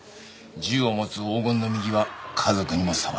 銃を持つ黄金の右は家族にも触らせない。